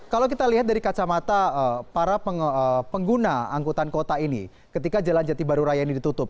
kalau kita lihat dari kacamata para pengguna angkutan kota ini ketika jalan jati baru raya ini ditutup